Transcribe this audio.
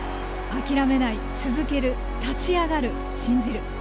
諦めない、続ける立ち上がる、信じる。